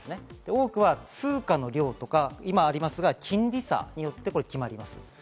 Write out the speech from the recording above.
多くは通貨の量とか今ありますが、金利差によって決まります。